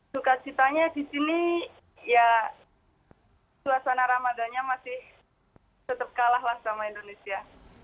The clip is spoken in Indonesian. suka citanya di sini ya suasana ramadannya masih tetap kalahlah sama indonesia